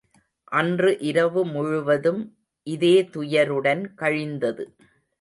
அன்று இரவு முழுவதும் இதே துயருடன் கழிந்தது.